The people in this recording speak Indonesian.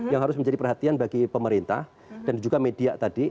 yang harus menjadi perhatian bagi pemerintah dan juga media tadi